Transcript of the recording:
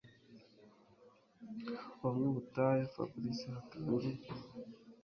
ubumwe butahe Fabric yatangiye